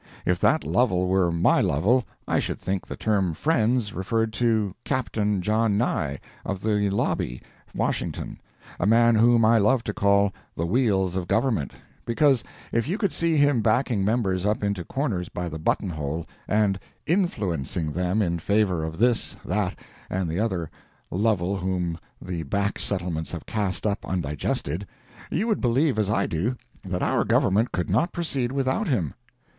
If that Lovel were my Lovel, I should think the term "friends" referred to "Captain" John Nye, of the lobby, Washington, a man whom I love to call "the Wheels of Government," because if you could see him backing members up into corners by the button hole, and "influencing" them in favor of this, that, and the other Lovel whom the back settlements have cast up undigested, you would believe as I do, that our Government could not proceed without him.